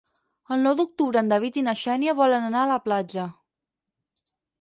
El nou d'octubre en David i na Xènia volen anar a la platja.